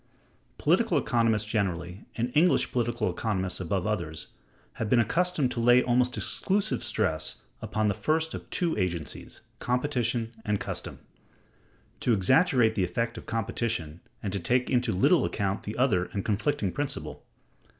Political economists generally, and English political economists above others, have been accustomed to lay almost exclusive stress upon the first of [two] agencies [competition and custom]; to exaggerate the effect of competition, and to take into little account the other and conflicting principle.